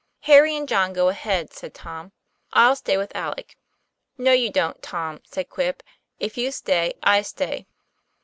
"Harry and John, go ahead," said Tom. "I'll stay with Alec." 'No you don't, Tom " said Quip. "If you stay, I stay."